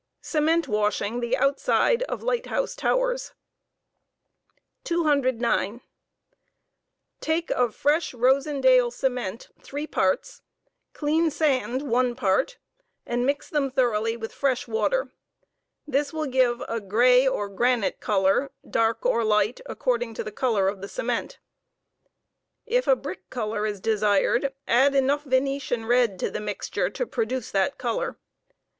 < CEMENT WASHING THE OUTSIDE OF LIGHT HOUSE TO WEBS. . 200. Take of fresh Rosendale cement three parts, clean sand one part, and mix them thoroughly with fresh water. This will give a gray or granite color, dark or light, according to the color of the cement. If a brick color is desired, add enough Venetian red to the A inixturo to produce that color.